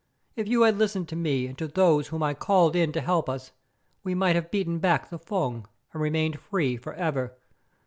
If you had listened to me and to those whom I called in to help us, you might have beaten back the Fung, and remained free for ever.